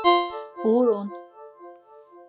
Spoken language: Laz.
“Ğurun!”